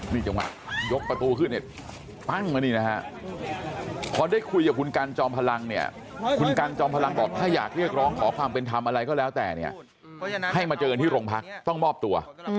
นี่จังหวะยกประตูขึ้นเนี่ยปั้งมานี่นะฮะพอได้คุยกับคุณกันจอมพลังเนี่ยคุณกันจอมพลังบอกถ้าอยากเรียกร้องขอความเป็นธรรมอะไรก็แล้วแต่เนี่ยให้มาเจอกันที่โรงพักต้องมอบตัว